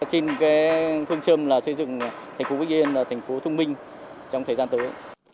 trên phương châm xây dựng thành phố bích yên thành phố trung minh trong thời gian tới